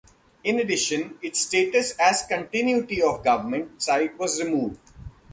In addition, its status as continuity of government site was removed.